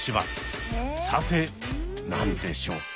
さて何でしょうか？